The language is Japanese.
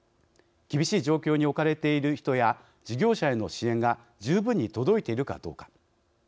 厳しい状況に置かれている人や事業者への支援が十分に届いているかどうか。